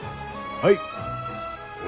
はい。